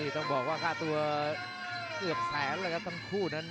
ต้องบอกว่าค่าตัวเกือบแสนแล้วครับทั้งคู่นั้น